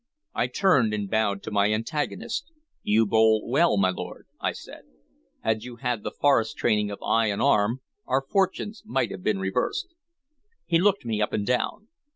I turned and bowed to my antagonist. "You bowl well, my lord," I said. "Had you had the forest training of eye and arm, our fortunes might have been reversed." He looked me up and down.